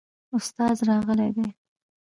استاد راغلی دی؟